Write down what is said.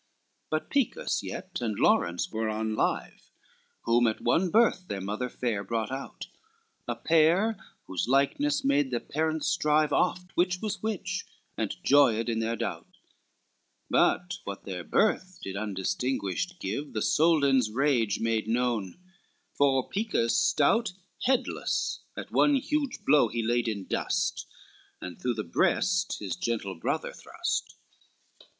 XXXIV But Picus yet and Lawrence were on live, Whom at one birth their mother fair brought out, A pair whose likeness made the parents strive Oft which was which, and joyed in their doubt: But what their birth did undistinguished give, The Soldan's rage made known, for Picus stout Headless at one huge blow he laid in dust, And through the breast his gentle brother thrust.